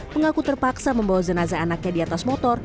mengaku terpaksa membawa jenazah anaknya di atas motor